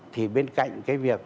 thì bên cạnh cái việc